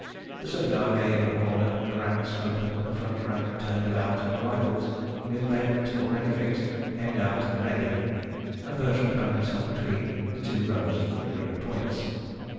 The Subedar gave an order, the ranks opened, the front rank turned about, and the rifles, with bayonet already fixed, came down to the "ready," and Bertram found himself between the two rows of flickering points.